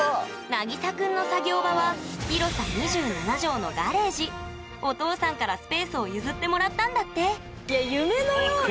なぎさくんの作業場はお父さんからスペースを譲ってもらったんだって！